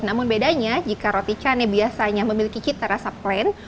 namun bedanya jika roti cane biasanya memiliki cita rasa plain